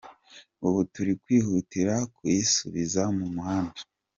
Ubu turi kwihutira kuyisubiza mu muhanda.